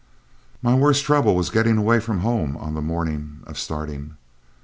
My worst trouble was getting away from home on the morning of starting.